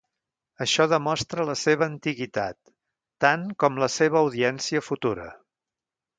Això demostra la seva antiguitat, tant com la seva audiència futura.